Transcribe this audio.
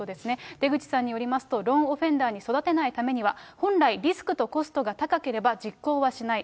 出口さんによりますと、ローンオフェンダーに育てないためには本来、リスクとコストが高ければ実行はしない。